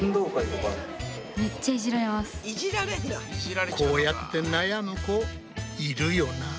こうやって悩む子いるよなぁ。